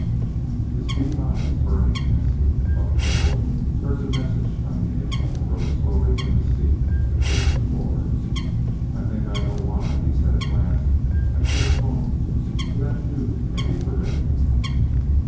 His deep eyes burning tensely, Buck Kendall heard the messages coming in, and rose slowly from his seat to pace the floor. "I think I know why," he said at last. "I should have thought. For that too can be prevented."